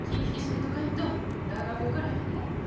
引き締めとかんと大学受からへんで。